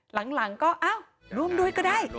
หลังก็อ้าวร่วมด้วยก็ได้